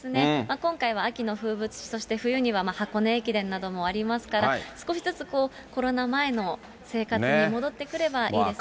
今回は秋の風物詩、そして冬には箱根駅伝などもありますから、少しずつこう、コロナ前の生活に戻ってくればいいですね。